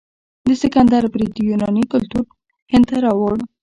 د سکندر برید یوناني کلتور هند ته راوړ.